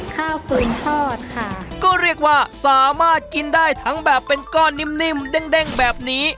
กุยทอดค่ะก็เรียกว่าสามารถกินได้ทั้งแบบเป็นก้อนนิ่มเด้งแบบนี้